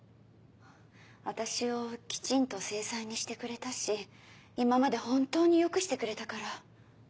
私をきちんと正妻にしてくれたし今まで本当に良くしてくれたから。